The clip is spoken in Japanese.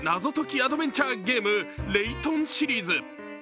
アドベンチャーゲーム、「レイトン」シリーズ。